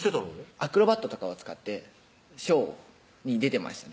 アクロバットとかを使ってショーに出てましたね